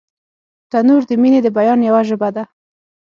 تنور د مینې د بیان یوه ژبه ده